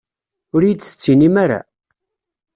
Ur iyi-d-tettinim ara?